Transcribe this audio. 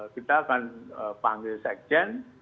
kita akan panggil sekjen